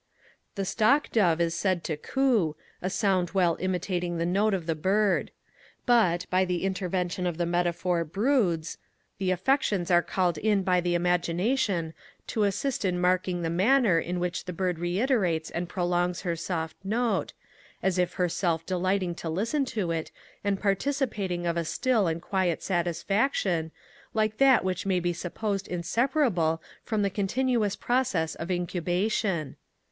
The stock dove is said to coo, a sound well imitating the note of the bird; but, by the intervention of the metaphor broods, the affections are called in by the imagination to assist in marking the manner in which the bird reiterates and prolongs her soft note, as if herself delighting to listen to it, and participating of a still and quiet satisfaction, like that which may be supposed inseparable from the continuous process of incubation.